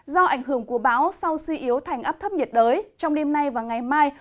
do ảnh hưởng của bão sau suy yếu thành áp thấp nhiệt đới trong đêm nay và ngày mai